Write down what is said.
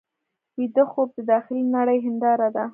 ویده خوب د داخلي نړۍ هنداره ده